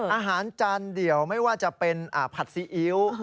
อาหารจานเดี่ยวไม่ว่าจะเป็นผัดซีอิ๊ว